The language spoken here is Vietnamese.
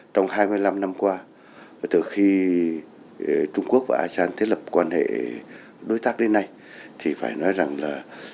trong hai mươi năm năm qua từ khi trung quốc và asean thiết lập quan hệ đối tác đến nay thì phải nói rằng là